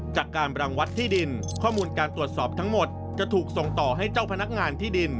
การรังวัดที่ดินข้อมูลการตรวจสอบทั้งหมดจะถูกส่งต่อให้เจ้าพนักงานที่ดิน